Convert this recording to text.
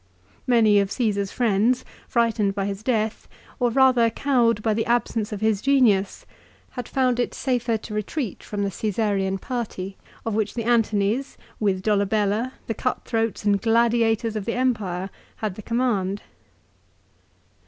Many of Caesar's friends, frightened by his death, or rather cowed by the absence of his genius, had found it safer to retreat from the Csesareau party, of which the Antonys, with Dolabella, the cutthroats and gladiators of the empire, had the command.